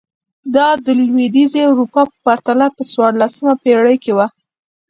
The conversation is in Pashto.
دا د لوېدیځې اروپا په پرتله په څوارلسمه پېړۍ کې و.